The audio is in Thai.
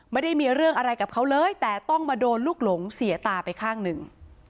ไม่ได้มีเรื่องอะไรกับเขาเลยแต่ต้องมาโดนลูกหลงเสียตาไปข้างหนึ่ง